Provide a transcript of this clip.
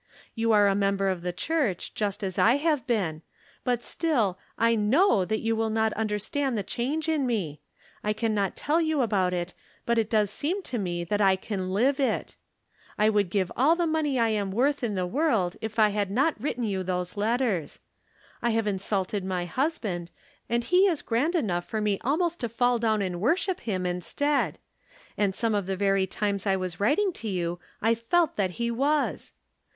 You are a member of the Church, just as I have been ; but still I know that you will not understand the change in me. I can not tell you about it, but it does seem to me that I can live it. I would give all the money I am worth in the world if I had not written you From Different Standpoints. 343 those letters. I have insulted my husband, and he is grand enough for me almost to faU down and worship him instead. And some of the very times I was writing to you I felt that he was.